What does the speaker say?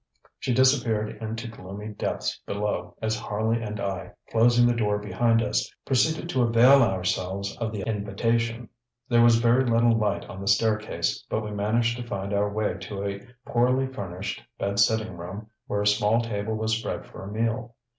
ŌĆØ She disappeared into gloomy depths below as Harley and I, closing the door behind us, proceeded to avail ourselves of the invitation. There was very little light on the staircase, but we managed to find our way to a poorly furnished bed sitting room where a small table was spread for a meal.